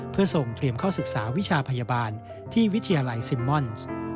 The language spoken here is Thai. เพื่อส่งเตรียมเข้าศึกษาวิชาพยาบาลที่วิทยาลัยซิมม่อน